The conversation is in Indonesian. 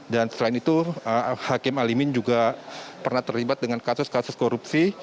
dan selain itu hakim alimin juga pernah terlibat dengan kasus kasus korupsi